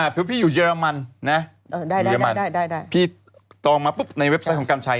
เพราะพี่อยู่เยอรมันพี่ตอบมาในเว็บไซต์ของกันชัย